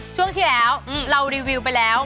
ช่วงที่แล้วเรารีวิวไปแล้ว